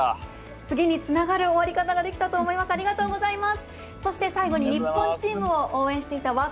次につながる終わり方ができたと思います。